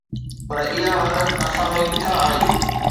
پر اها حالت اسان ۾ ڪٿان آئي؟